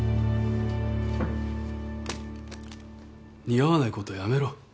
似合わないことはやめろ。